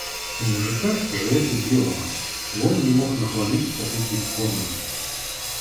У мужика же это делалось, и он не мог нахвалиться этим кормом.